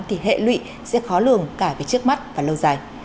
thì hệ lụy sẽ khó lường cả về trước mắt và lâu dài